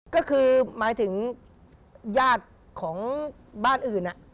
ก็คือหมายถึงญาติของบ้านอื่น